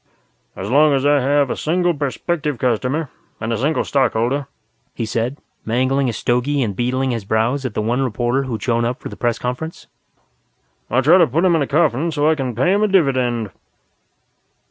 "As long as I have a single prospective customer, and a single Stockholder," he said, mangling a stogie and beetling his brows at the one reporter who'd showed up for the press conference, "I'll try to put him in a coffin so I can pay him a dividend."